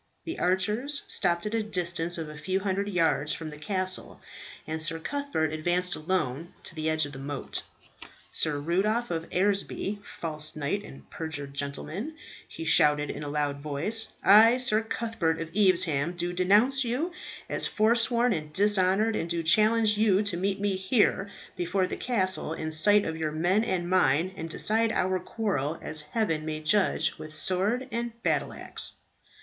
The archers stopped at a distance of a few hundred yards from the castle, and Sir Cuthbert advanced alone to the edge of the moat. "Sir Rudolph of Eresby, false knight and perjured gentleman," he shouted in a loud voice, "I, Sir Cuthbert of Evesham, do denounce you as foresworn and dishonoured, and do challenge you to meet me here before the castle in sight of your men and mine, and decide our quarrel as heaven may judge with sword and battle axe."